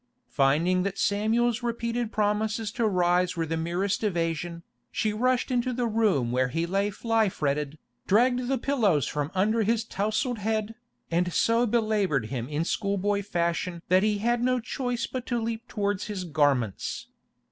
Finding that Samuel's repeated promises to rise were the merest evasion, she rushed into the room where he lay fly fretted, dragged the pillows from under his tousled head, and so belaboured him in schoolboy fashion that he had no choice but to leap towards his garments.